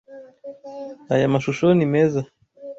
Aya mashusho ni meza.